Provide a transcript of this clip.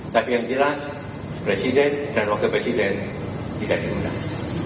tapi yang jelas presiden dan wakil presiden tidak diundang